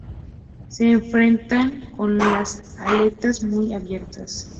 Se enfrentan con las aletas muy abiertas.